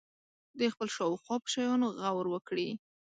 د خپل شاوخوا په شیانو غور وکړي.